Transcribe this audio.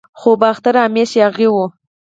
خو باختر همیشه یاغي و